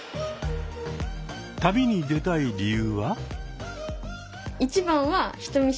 旅に出たい理由は？